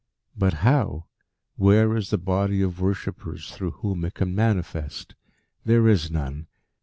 But how? Where is the Body of Worshippers through whom it can manifest? There is none.